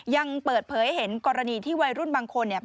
ยังเปิดเผยเห็นกรณีที่วัยรุ่นบางคนเนี่ย